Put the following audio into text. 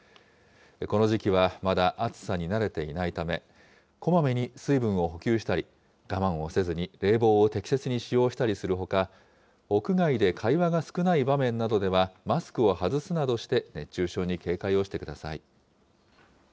この時期はまだ暑さに慣れていないため、こまめに水分を補給したり、我慢をせずに冷房を適切に使用したりするほか、屋外で会話が少ない場面などでは、マスクを外すなどして熱中症に警戒をしてください。